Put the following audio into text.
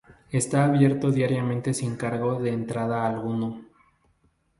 Está abierto diariamente sin cargo de entrada alguno.